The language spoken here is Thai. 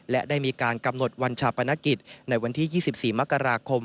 และได้มีการกำหนดวันชาปนกิจในวันที่๒๔มกราคม